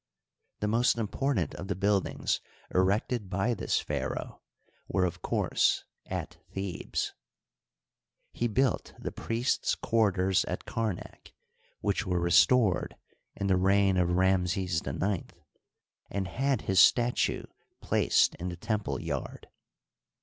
The most im portant of the buildings erected by this pharaoh were, of course, at Thebes. He built the priests* quarters at Kar nak, which were restored in the reign of Ramses IX, and had his statue placed in the temple yard.